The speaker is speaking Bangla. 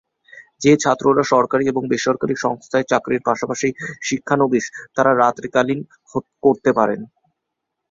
যে ছাত্ররা সরকারি ও বেসরকারি সংস্থার চাকরির পাশাপাশি শিক্ষানবিশ তারা রাত্রি কালীন করতে পারেন।